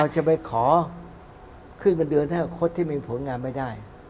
เราจะไปขอขึ้นมาเดินเท่าไหร่คดที่มีผลงานไม่ได้